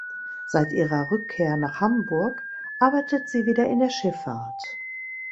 Seit ihrer Rückkehr nach Hamburg arbeitet sie wieder in der Schifffahrt.